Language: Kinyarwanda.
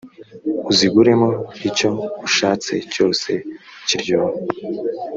uziguremo icyo ushatse cyose kiryoha: